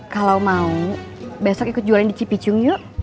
kalau mau besok ikut jualan di cipicung yuk